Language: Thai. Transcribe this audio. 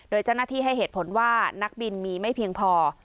โดยเจ้าหน้าที่ให้เหตุผลว่านักบินมีไม่เพียงพอ